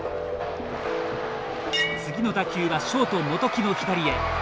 次の打球はショート・元木の左へ。